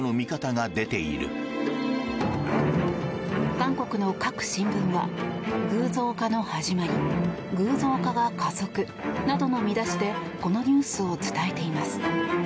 韓国の各新聞は偶像化の始まり偶像化が加速などの見出しでこのニュースを伝えています。